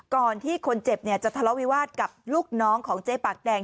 ก่อนที่คนเจ็บจะทะเลาวิวาสกับลูกน้องของเจ๊ปากแดง